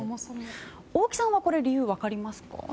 大木さんは理由分かりますか？